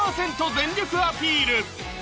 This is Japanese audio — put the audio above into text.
全力アピール